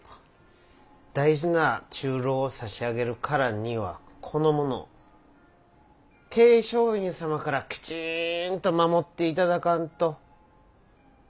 大事な中臈を差し上げるからにはこの者桂昌院様からきちんと守って頂かんと。